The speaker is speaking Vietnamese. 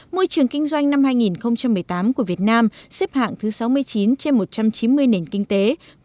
môi trường kinh doanh năm hai nghìn một mươi tám của việt nam xếp hạng thứ sáu mươi chín trên một trăm chín mươi nền kinh tế